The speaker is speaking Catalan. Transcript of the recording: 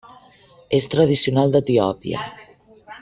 És tradicional d'Etiòpia.